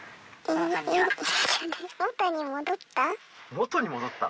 元に戻った？